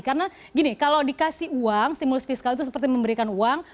karena gini kalau dikasih uang stimulus fiskal itu seperti memberikan uang